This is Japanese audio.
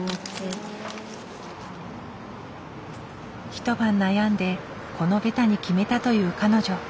一晩悩んでこのベタに決めたという彼女。